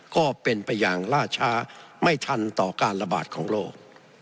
ก็เป็นไปอย่างล่าช้าไม่ทันต่อการระบาดของโรค